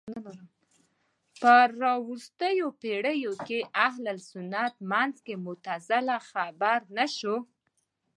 په راوروسته پېړيو کې اهل سنت منځ کې معتزله خبره نه شي